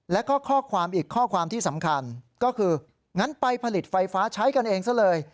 แล้วก็ข้อความอีกข้อความที่สำคัญก็คืองั้นไปผลิตไฟฟ้าใช้กันเองซะเลย